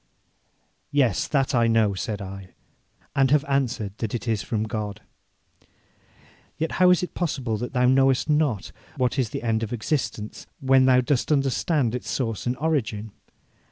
'Yes, that I know,' said I, 'and have answered that it is from God.' 'Yet how is it possible that thou knowest not what is the end of existence, when thou dost understand its source and origin?